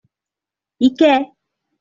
I què!